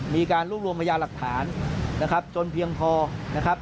มีการรวบรวมพยาหลักฐานนะครับจนเพียงพอนะครับ